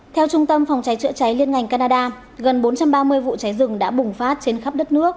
theo trung tâm phòng cháy chữa cháy liên ngành canada gần bốn trăm ba mươi vụ cháy rừng đã bùng phát trên khắp đất nước